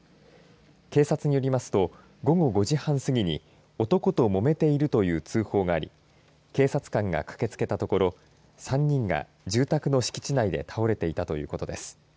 警察によりますと午後５時半すぎに男ともめているという通報があり警察官が駆けつけたところ３人が住宅の敷地内で倒れていたということです。